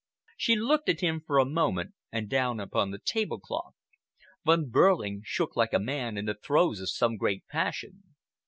She looked at him, for a moment, and down upon the tablecloth. Von Behrling shook like a man in the throes of some great passion.